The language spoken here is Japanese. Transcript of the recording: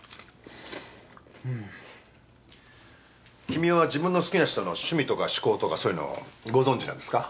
君は自分の好きな人の趣味とか嗜好とかそういうのご存じなんですか？